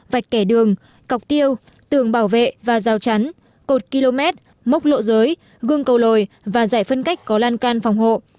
vạch kẻ đường cọc tiêu tường bảo vệ và rào chắn cột km mốc lộ giới gương cầu lồi và giải phân cách có lan can phòng hộ